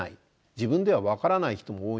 自分では分からない人も多いんですよね。